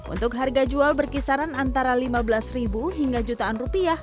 untuk harga jual berkisaran antara lima belas ribu hingga jutaan rupiah